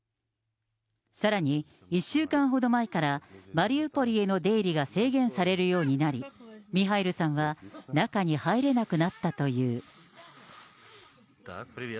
さらに、１週間ほど前からマリウポリへの出入りが制限されるようになり、ミハイルさんは中に入れなくなったという。